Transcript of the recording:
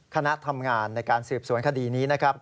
คณะทำงานในการสืบสวนคดีนี้นะครับ